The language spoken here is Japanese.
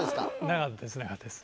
なかったですなかったです。